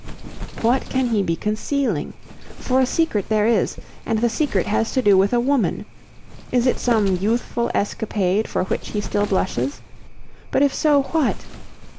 What can he be concealing? For a secret there is, and the secret has to do with a woman. Is it some youthful escapade for which he still blushes? But if so, what?